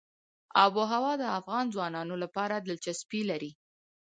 آب وهوا د افغان ځوانانو لپاره دلچسپي لري.